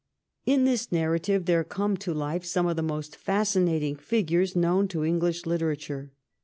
In this narrative there come to life some of the most fascinating figures known to English literature.